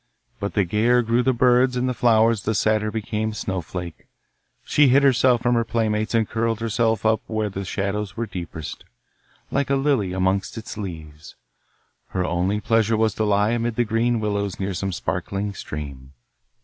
But the gayer grew the birds and the flowers the sadder became Snowflake. She hid herself from her playmates, and curled herself up where the shadows were deepest, like a lily amongst its leaves. Her only pleasure was to lie amid the green willows near some sparkling stream.